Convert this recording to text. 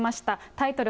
タイトル